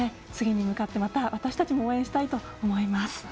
次に向かってまた私たちも応援したいと思います。